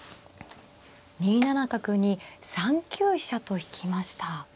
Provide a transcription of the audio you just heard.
２七角に３九飛車と引きました。